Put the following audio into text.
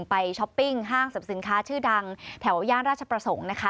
ช้อปปิ้งห้างสรรพสินค้าชื่อดังแถวย่านราชประสงค์นะคะ